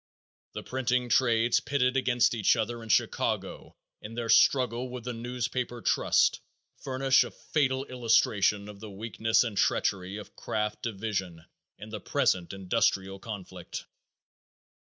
The printing trades pitted against each other in Chicago in their struggle with the newspaper trust furnish a fatal illustration of the weakness and treachery of craft division in the present industrial conflict.